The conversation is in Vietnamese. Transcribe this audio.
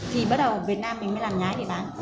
thì bắt đầu ở việt nam mình mới làm nhái để bán